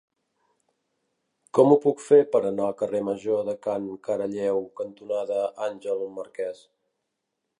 Com ho puc fer per anar al carrer Major de Can Caralleu cantonada Àngel Marquès?